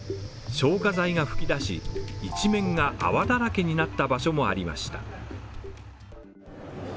消火剤が噴き出し、一面が泡だらけになった場所もありました。